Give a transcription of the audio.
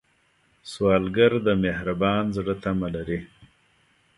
سوالګر د مهربان زړه تمه لري